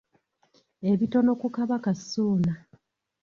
Ebitono ku Kabaka Ssuuna.